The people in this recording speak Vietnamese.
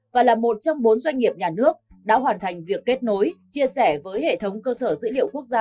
và là một trong bốn doanh nghiệp nhà nước đã hoàn thành việc kết nối chia sẻ với hệ thống cơ sở dữ liệu quốc gia